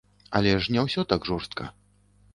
Але ж не ўсё так жорстка.